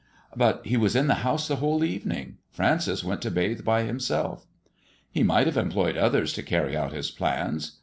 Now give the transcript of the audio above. " But he was in the house the whole evening. Francis went to bathe by himself." " He might have employed others to carry out his plans.